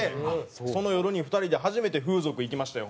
その夜に２人で初めて風俗行きましたよ